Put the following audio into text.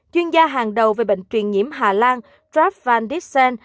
chuyên gia hàng đầu về bệnh truyền nhiễm hà lan trapp van dixen